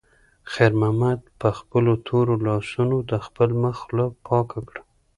خیر محمد په خپلو تورو لاسونو د خپل مخ خوله پاکه کړه.